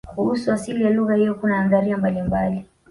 kuhusu asili ya lugha hiyo kuna nadharia mbalimbali